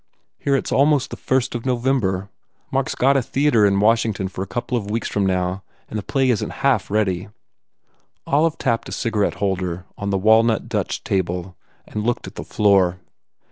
Here it s almost the first of November. Mark s got a theatre in Washington for a couple of weeks from now and the play isn t half ready." Olive tapped a cigarette holder on the walnut, Dutch table and looked at the floor.